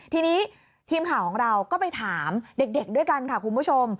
ทีนี้ทีมข่าวของเราก็ไปถามเด็กด้วยกันค่ะคุณผู้ชม